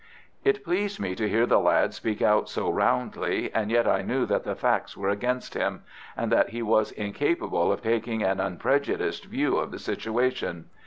It pleased me to hear the lad speak out so roundly, and yet I knew that the facts were against him, and that he was incapable of taking an unprejudiced view of the situation.